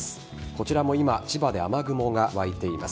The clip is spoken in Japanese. こちらも今千葉で雨雲が湧いています。